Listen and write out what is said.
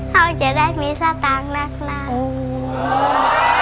พ่อจะได้มีสตางค์นัก